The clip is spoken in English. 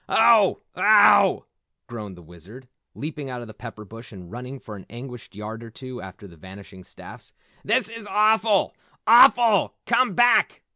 "Oh! Oh!" groaned the Wizard, leaping out of the pepper bush and running for an anguished yard or two after the vanishing staffs. "This is awful, AWFUL! Come back!